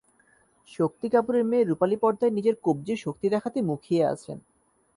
শক্তি কাপুরের মেয়ে রুপালি পর্দায় নিজের কবজির শক্তি দেখাতে মুখিয়ে আছেন।